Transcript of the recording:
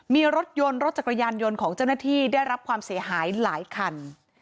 มีรถยนต์รถจักรยานยนต์ของเจ้าหน้าที่ได้รับความเสียหายหลายคัน